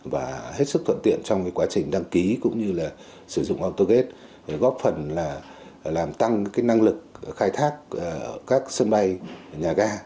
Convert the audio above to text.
và hết sức thuận tiện trong quá trình đăng ký cũng như là sử dụng autogate góp phần là làm tăng năng lực khai thác các sân bay nhà ga